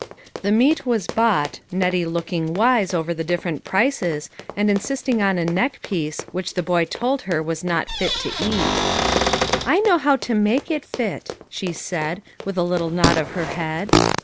The meat was bought, Nettie looking wise over the different pieces, and insisting on a neck piece, which the boy told her was not fit to eat. " I know how to make it fit," she said, with a little nod of her head.